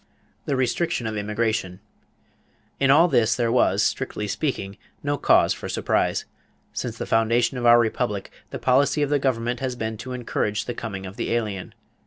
=The Restriction of Immigration.= In all this there was, strictly speaking, no cause for surprise. Since the foundation of our republic the policy of the government had been to encourage the coming of the alien.